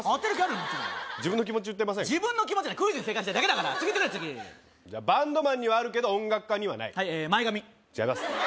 もちろん自分の気持ち言ってませんか自分の気持ちじゃないクイズに正解したいだけだから次いってくれ次じゃあバンドマンにはあるけど音楽家にはないはいええ前髪違います